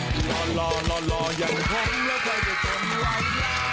ล่ออย่างห้องแล้วเขาจะจนหล่ออย่าง